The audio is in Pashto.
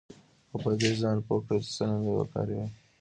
او په دې ځان پوه کړئ چې څرنګه یې وکاروئ